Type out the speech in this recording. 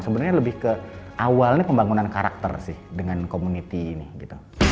sebenarnya lebih ke awalnya pembangunan karakter sih dengan community ini gitu